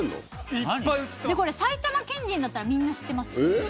でこれ埼玉県人だったらみんな知ってますよ。